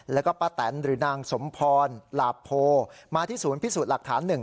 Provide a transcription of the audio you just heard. แล้วก็ป้าแตนหรือนางสมพรหลาบโพมาที่ศูนย์พิสูจน์หลักฐานหนึ่ง